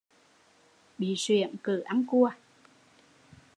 Bị suyễn cử ăn cua